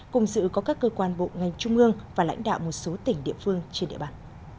cùng sự có các cơ quan bộ ngành trung ương và lãnh đạo một số tỉnh địa phương trên địa bàn